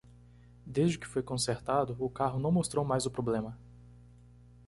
Desde que foi consertado, o carro não mostrou mais o problema.